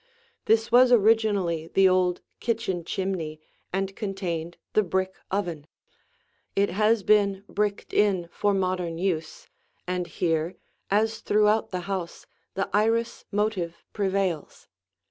This was originally the old kitchen chimney and contained the brick oven. It has been bricked in for modern use, and here, as throughout the house, the iris motive prevails.